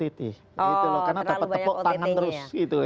karena dapat tepuk tangan terus gitu